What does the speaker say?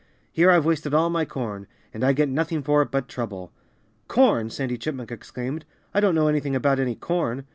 Here I've wasted all my corn. And I get nothing for it but trouble." "Corn!" Sandy Chipmunk exclaimed. "I don't know anything about any corn!"